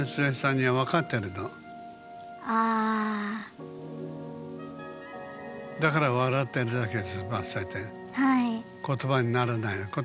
だから笑ってるだけで済ませて言葉にならない。